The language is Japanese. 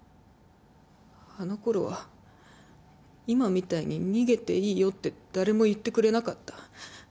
あのころは今みたいに逃げていいよって誰も言ってくれなかった。